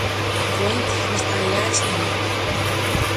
Буянт эхнэр та яаж танив?